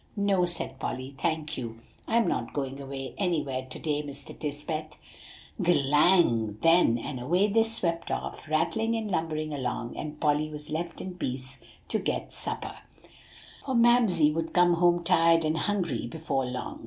"No," said Polly; "thank you, I'm not going away anywhere to day, Mr. Tisbett." "G'lang then!" and away they swept off rattling and lumbering along, and Polly was left in peace to get supper; for Mamsie would come home tired and hungry before long.